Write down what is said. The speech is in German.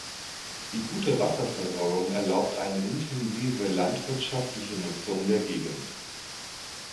Die gute Wasserversorgung erlaubt eine intensive landwirtschaftliche Nutzung der Gegend.